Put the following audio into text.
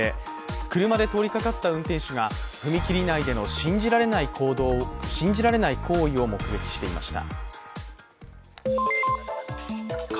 車で通りかかった運転手が踏切内での信じられない行為を目撃していました。